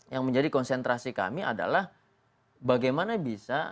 yang menjadi konsentrasi kami adalah bagaimana bisa